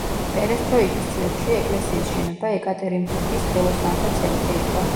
პერესტროიკის წლებში ეკლესიის შენობა ეკატერინბურგის ხელოსანთა ცენტრი იყო.